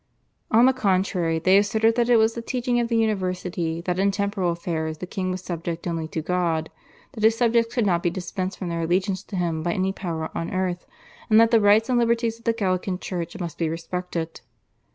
On the contrary, they asserted that it was the teaching of the university that in temporal affairs the king was subject only to God, that his subjects could not be dispensed from their allegiance to him by any power on earth, and that the rights and liberties of the Gallican Church must be respected.